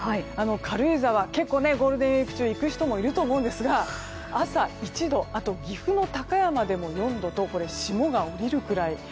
軽井沢、ゴールデンウィーク中行く人もいると思うんですが朝１度あと岐阜の高山でも４度とこれは霜が降りるくらい。